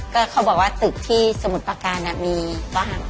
ก็เขาบอกว่าตึกที่สมุทรประการมีบ้าน